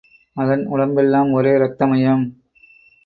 அதன் உடம்பெல்லாம் ஒரே ரத்த மயம்!